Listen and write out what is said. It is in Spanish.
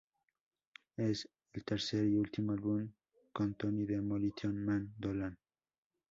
Es el tercer y último álbum con Tony "Demolition Man" Dolan.